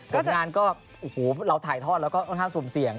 ผลงานก็โอ้โหเราถ่ายทอดแล้วก็ค่อนข้างสุ่มเสี่ยง